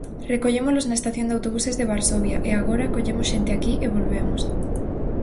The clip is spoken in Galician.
Recollémolos na estación de autobuses de Varsovia, e agora, collemos xente aquí, e volvemos.